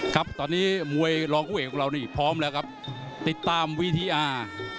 ครับตอนนี้มวยรองคู่เอกของเรานี่พร้อมแล้วครับติดตามวีดีอาร์